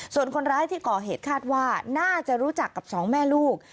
ส่วนคนร้ายที่ก่อเหตุคาดว่าน่าจะรู้จักกับสองแม่ลูก